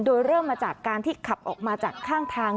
โดยเริ่มมาจากการที่ขับออกมาจากข้างทาง